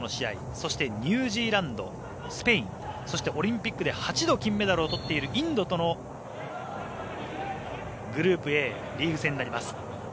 そしてニュージーランドスペインそしてオリンピックで８度、金メダルを取っているインドとのグループ